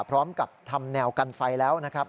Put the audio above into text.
พร้อมกับทำแนวกันไฟแล้วนะครับ